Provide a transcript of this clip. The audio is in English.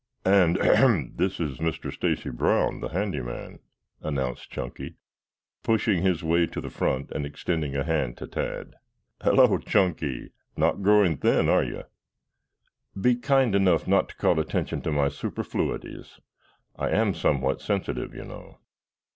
"And, ahem! This is Mr. Stacy Brown, the handy man," announced Chunky, pushing his way to the front and extending a hand to Tad. "Hello, Chunky. Not growing thin, are you?" "Be kind enough not to call attention to my superfluities. I am somewhat sensitive, you know."